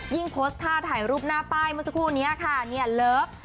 โพสต์ท่าถ่ายรูปหน้าป้ายเมื่อสักครู่นี้ค่ะเนี่ยเลิฟ